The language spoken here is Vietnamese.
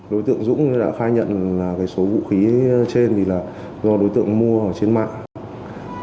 đối tượng dũng đã khai nhận số vũ khí trên là do đối tượng mua trên mạng